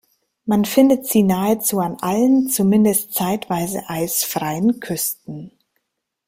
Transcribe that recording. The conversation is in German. Man findet sie nahezu an allen zumindest zeitweise eisfreien Küsten.